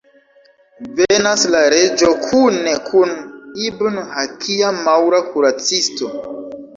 Venas la reĝo kune kun Ibn-Hakia, maŭra kuracisto.